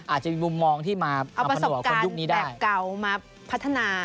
อาจจะมีมุมมองที่มาเอาประสบการณ์แบบเก่ามาพัฒนา